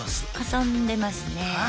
遊んでますね。